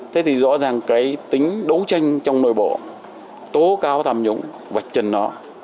thế thì rõ ràng cái tính đấu tranh trong nội bộ tố cáo tham nhũng vạch chân nó